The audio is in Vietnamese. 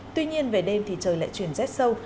tuy nhiên về đêm thì trời lại chuyển rét sâu